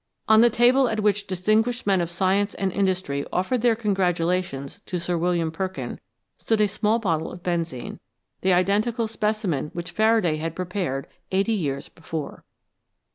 On the table at which distinguished men of science and industry offered their congratulations to Sir William Perkin stood a small bottle of benzene, the iden tical specimen which Faraday had prepared eighty years before.